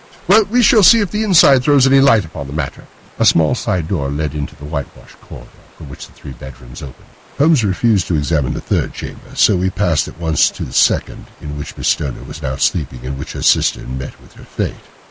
Well, we shall see if the inside throws any light upon the matter." A small side door led into the whitewashed corridor from which the three bedrooms opened. Holmes refused to examine the third chamber, so we passed at once to the second, that in which Miss Stoner was now sleeping, and in which her sister had met with her fate.